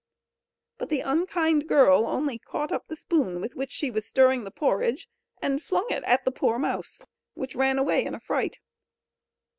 But the unkind girl only caught up the spoon with which she was stirring the porridge, and flung it at the poor mouse, which ran away in a fright.